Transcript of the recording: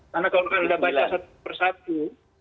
karena kalau kita baca satu persatu